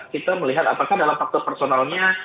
kita melihat apakah dalam faktor personalnya